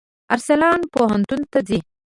ارسلان پوهنتون ته ځي.